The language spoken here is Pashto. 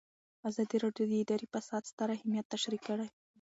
ازادي راډیو د اداري فساد ستر اهميت تشریح کړی.